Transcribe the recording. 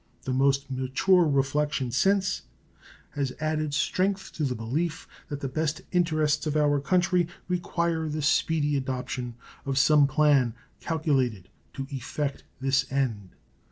The most mature reflection since has added strength to the belief that the best interests of our country require the speedy adoption of some plan calculated to effect this end.